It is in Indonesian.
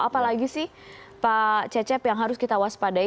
apalagi sih pak cecep yang harus kita waspadai